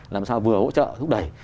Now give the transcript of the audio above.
làm sao vừa hỗ trợ thúc đẩy